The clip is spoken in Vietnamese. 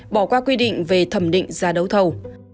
bỏ qua quy định về thẩm định giá đấu thầu